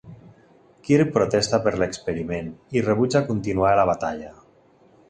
Kirk protesta per l"experiment i rebutja continuar la batalla.